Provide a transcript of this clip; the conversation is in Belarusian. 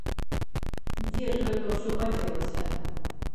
Дзе ж гэта ўсё падзелася?